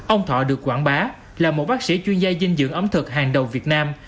ông thọ được quảng bá là một bác sĩ chuyên gia dinh dưỡng ấm thực hàng đầu việt nam